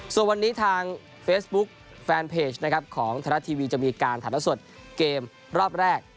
ส่วนวันนี้ทางเฟซบุ๊กแฟนเพจของธนาทีวีจะมีการถัดละสดเกมรอบแรก